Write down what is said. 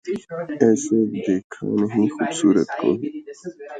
ایسا دیکھا نہیں خوبصورت کوئی